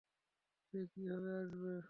সে কীভাবে আসবে?